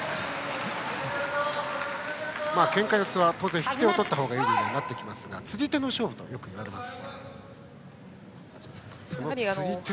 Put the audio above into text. けんか四つは当然引き手を取った方が有利になりますが釣り手の勝負とよく言われます。